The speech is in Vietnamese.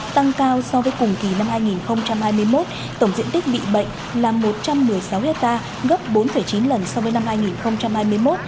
tăng cao so với cùng kỳ năm hai nghìn hai mươi một tổng diện tích bị bệnh là một trăm một mươi sáu hectare gấp bốn chín lần so với năm hai nghìn hai mươi một